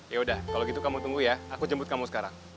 ya udah kalau gitu kamu tunggu ya aku jemput kamu sekarang